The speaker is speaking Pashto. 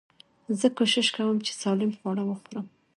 زه کوشش کوم، چي سالم خواړه وخورم.